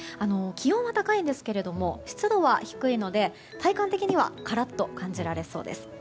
気温は高いんですけども湿度は低いので体感的にはカラッと感じられそうです。